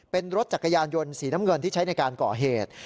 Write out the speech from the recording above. เป็นรถจักรยานยนต์สีน้ำเงินที่ใช้ในการก่อเหตุ